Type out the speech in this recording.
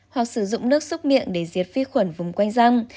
hoặc sử dụng nước xúc miệng để diệt vi khuẩn vùng quanh răng